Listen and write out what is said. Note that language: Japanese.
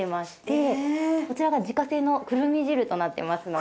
こちらが自家製のくるみ汁となってますので。